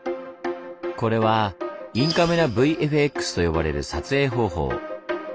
これは「インカメラＶＦＸ」と呼ばれる撮影方法。